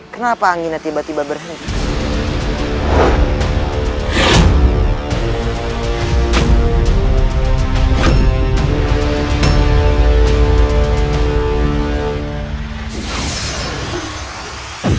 kenapa anginnya tiba tiba berhenti